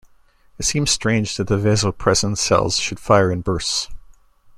It seemed strange that the vasopressin cells should fire in bursts.